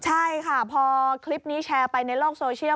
ใช่ค่ะพอคลิปนี้แชร์ไปในโลกโซเชียล